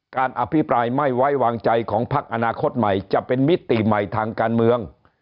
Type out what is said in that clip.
อภิปรายไม่ไว้วางใจของพักอนาคตใหม่จะเป็นมิติใหม่ทางการเมือง